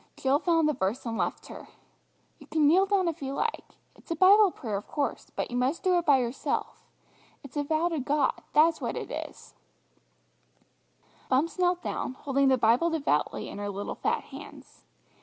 Jill found the verse, and left her. "You can kneel down if you like. It is a Bible prayer, of course, but you must do it by yourself. It's a vow to God, that's what it is." [Illustration: "BUMPS KNELT DOWN."] Bumps knelt down, holding the Bible devoutly in her little fat hands.